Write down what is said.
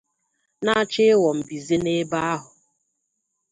na-achọ ịghọ mbize n'ebe ahụ